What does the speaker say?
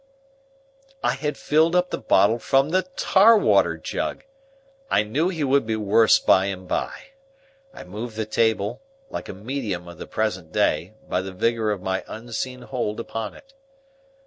I had filled up the bottle from the tar water jug. I knew he would be worse by and by. I moved the table, like a Medium of the present day, by the vigor of my unseen hold upon it.